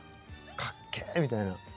かっけみたいな。